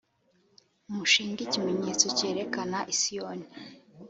mushinge ikimenyetso cyerekere i siyoni